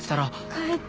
帰って。